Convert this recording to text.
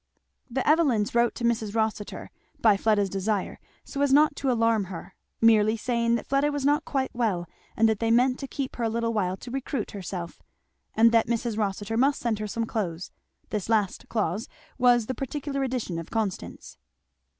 The Evelyns wrote to Mrs. Rossitur, by Fleda's desire, so as not to alarm her; merely saying that Fleda was not quite well, and that they meant to keep her a little while to recruit herself; and that Mrs. Rossitur must send her some clothes. This last clause was tha particular addition of Constance.